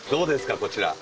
こちら。